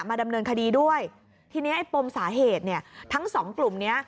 ดำเนินคดีด้วยทีนี้ไอ้ปมสาเหตุเนี่ยทั้งสองกลุ่มเนี้ย